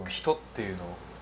人っていうのを。